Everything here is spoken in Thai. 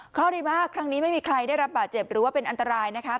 เพราะดีมากครั้งนี้ไม่มีใครได้รับบาดเจ็บหรือว่าเป็นอันตรายนะคะ